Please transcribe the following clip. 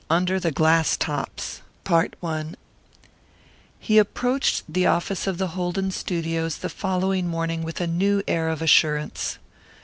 UNDER THE GLASS TOPS He approached the office of the Holden studios the following morning with a new air of assurance.